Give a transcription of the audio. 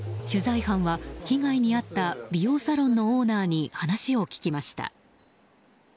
取材班は被害に遭った美容サロンのオーナーに話を聞きました。